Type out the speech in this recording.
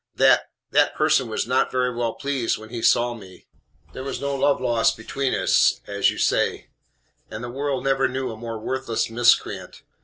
That that person was not very well pleased when he saw me. There was no love lost between us, as you say: and the world never knew a more worthless miscreant.